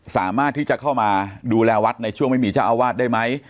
สามารถที่จะเข้ามาดูแลวัดในช่วงไม่มีเจ้าอาวาสได้ไหม